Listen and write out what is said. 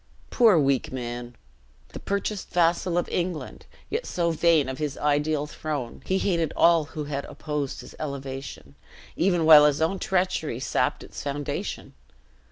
Poor weak man. The purchased vassal of England; yet so vain of his ideal throne, he hated all who had opposed his elevation, even while his own treachery sapped its foundation!